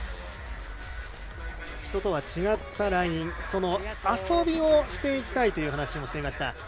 人とは違ったラインその遊びをしていきたいという話もしていました。